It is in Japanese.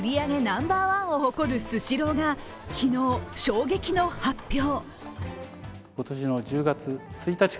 ナンバーワンを誇るスシローが昨日、衝撃の発表。